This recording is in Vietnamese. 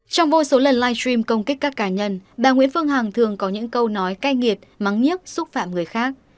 trong vô số lần live stream công kích các cá nhân bà nguyễn phương hằng thường có những câu nói cay nghiệt mắng nhức xúc phạm người khác